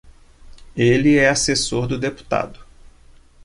Ele é assessor do deputado.